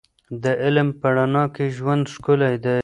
د علم په رڼا کې ژوند ښکلی دی.